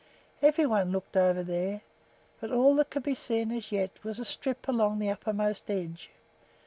Every one looked over there, but all that could be seen as yet was a strip along the uppermost edge.